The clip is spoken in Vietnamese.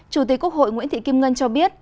chủ tịch quốc hội nguyễn thị kim ngân cho biết